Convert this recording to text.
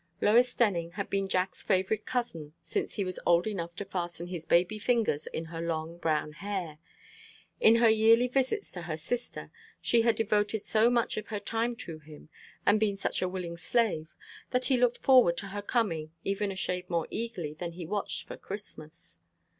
Lois Denning had been Jack's favorite cousin since he was old enough to fasten his baby fingers in her long, brown hair. In her yearly visits to her sister she had devoted so much of her time to him, and been such a willing slave, that he looked forward to her coming even a shade more eagerly than he watched for Christmas.